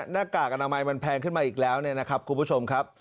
หน้ากากอนามัยมันแพงขึ้นมาอีกแล้วครูผู้ชมครับ